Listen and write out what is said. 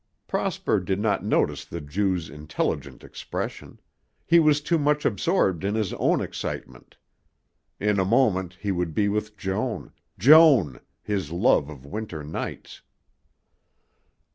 Prosper did not notice the Jew's intelligent expression. He was too much absorbed in his own excitement. In a moment he would be with Joan Joan, his love of winter nights!